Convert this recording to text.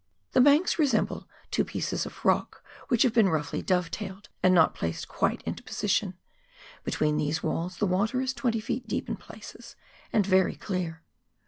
The banks resemble two pieces of rock which have been roughly dovetailed and not placed quite into position ; between these walls the water is 20 ft. deep in places and very clear.